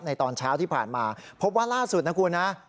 ตอนเช้าที่ผ่านมาพบว่าล่าสุดนะคุณนะ